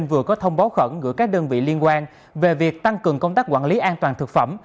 báo khẩn gửi các đơn vị liên quan về việc tăng cường công tác quản lý an toàn thực phẩm